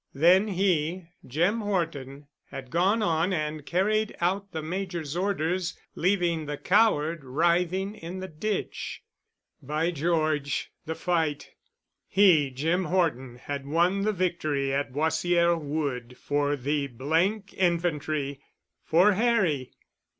Then he, Jim Horton, had gone on and carried out the Major's orders, leaving the coward writhing in the ditch. By George!——the fight—he, Jim Horton, had won the victory at Boissière Wood for the —th Infantry—_for Harry!